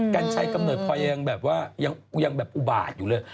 กัญชัยกำเนิดพอยังแบบว่ายังแบบอุบาตอยู่เลย